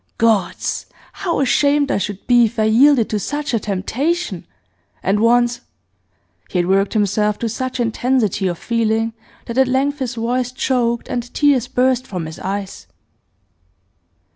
Gods! how ashamed I should be if I yielded to such a temptation! And once ' He had worked himself to such intensity of feeling that at length his voice choked and tears burst from his eyes.